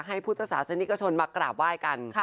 พุทธศาสนิกชนมากราบไหว้กัน